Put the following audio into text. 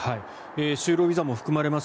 就労ビザも含まれます。